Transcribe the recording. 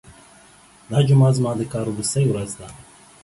دا جمعه زما د کار وروستۍ ورځ ده.